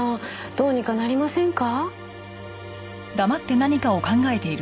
どうにかなりませんか？